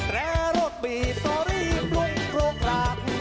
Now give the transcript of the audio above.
และรถบีบตรีบร่วยโครกราศ